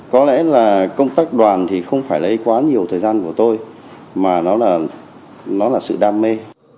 có lẽ là công tác đoàn thì không phải lấy quá nhiều thời gian của tôi mà nó là nó là sự đam mê